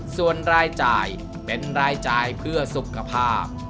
ส่วนรายจ่ายเป็นรายจ่ายเพื่อสุขภาพ